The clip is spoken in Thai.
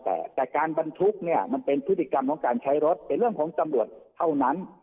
แต่แต่การบรรทุกเนี่ยมันเป็นพฤติกรรมของการใช้รถเป็นเรื่องของตำรวจเท่านั้น